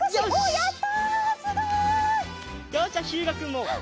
やった！